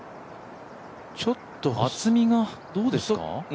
ちょっと厚みがどうですか？